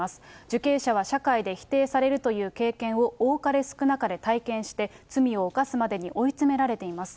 受刑者は社会で否定されるという経験を多かれ少なかれ体験して、罪を犯すまでに追い詰められています。